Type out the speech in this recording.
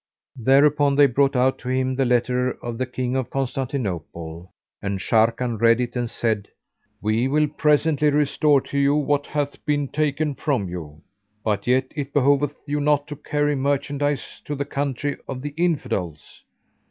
Thereupon they brought out to him the letter of the King of Constantinople, and Sharrkan read it and said, "We will presently restore to you what hath been taken from you; but yet it behoveth you not to carry merchandise to the country of the Infidels."